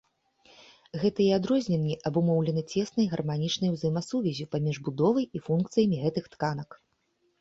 Гэтыя адрозненні абумоўлены цеснай гарманічнай узаемасувяззю паміж будовай і функцыямі гэтых тканак.